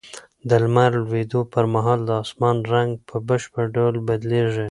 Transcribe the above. د لمر لوېدو پر مهال د اسمان رنګ په بشپړ ډول بدلېږي.